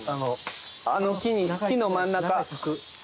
あの木の真ん中。